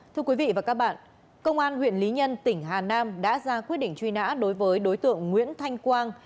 thưa quý vị và các bạn công an huyện lý nhân tỉnh hà nam đã ra quyết định truy nã đối với đối tượng nguyễn thanh quang